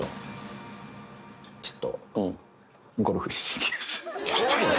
ちょっと。